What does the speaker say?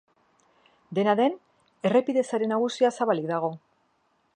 Dena den, errepide sare nagusia zabalik dago.